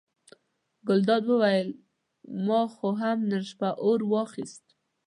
ګلداد وویل ما خو هم نن شپه اور واخیست.